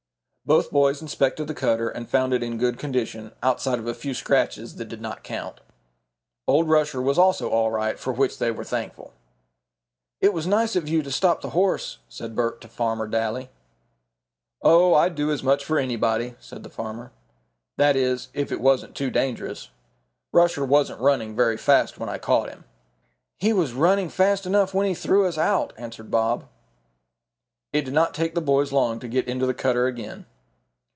Both boys inspected the cutter and found it in good condition, outside of a few scratches that did not count. Old Rusher was also all right, for which they were thankful. "It was nice of you to stop the horse," said Bert to Farmer Daly. "Oh, I'd do as much for anybody," said the farmer. "That is, if it wasn't too dangerous. Rusher wasn't running very fast when I caught him." "He was running fast enough when he threw us out," answered Bob. It did not take the boys long to get into the cutter again.